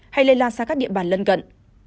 hay lây lan sang các địa bàn lân gận